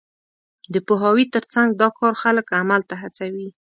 د پوهاوي تر څنګ، دا کار خلک عمل ته هڅوي.